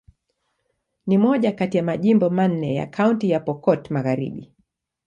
Ni moja kati ya majimbo manne ya Kaunti ya Pokot Magharibi.